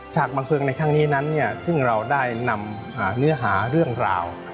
บันเทิงในครั้งนี้นั้นซึ่งเราได้นำเนื้อหาเรื่องราว